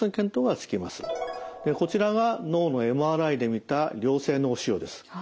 こちらが脳のＭＲＩで見た良性脳腫瘍です。